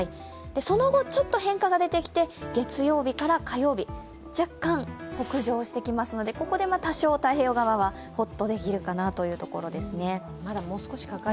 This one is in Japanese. その後、ちょっと変化が出てきて月曜日から火曜日、若干北上してきますのでここで多少太平洋側はホッとできるかなというところですね。